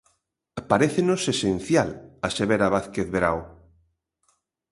"Parécenos esencial", asevera Vázquez Verao.